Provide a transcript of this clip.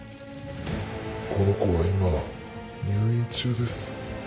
この子は今入院中です。